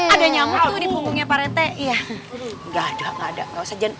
ada nyamuk tuh di punggungnya pak rete